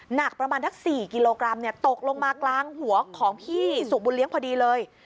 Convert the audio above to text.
หนักประมาณทั้ง๔กิโลกรัมตกลงมากลางหัวของพี่สุบุญเลี้ยงพอดีเลย